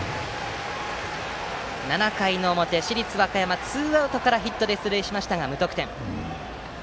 ７回の表、市立和歌山はツーアウトからヒットで出塁しましたが無得点。